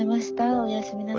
おやすみなさい。